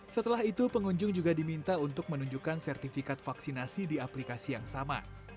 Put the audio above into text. setelah itu pengunjung juga diminta untuk menunjukkan sertifikat vaksinasi di aplikasi yang sama